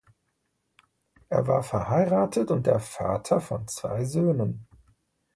Er war verheiratet und der Vater von zwei Söhnen.